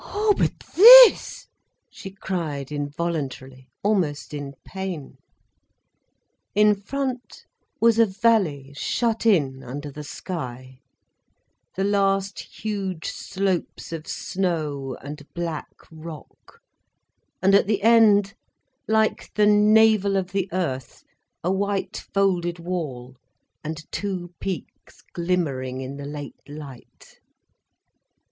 "Oh, but this—!" she cried involuntarily, almost in pain. In front was a valley shut in under the sky, the last huge slopes of snow and black rock, and at the end, like the navel of the earth, a white folded wall, and two peaks glimmering in the late light.